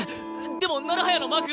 でも成早のマークが。